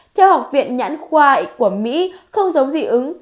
theo học viện nhãn khoa của mỹ không giống dị ứng